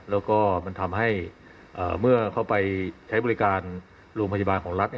แล้วก็มันทำให้เมื่อเข้าไปใช้บริการโรงพยาบาลของรัฐ